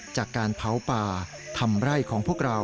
จากการเผาป่าทำไร่ของพวกเรา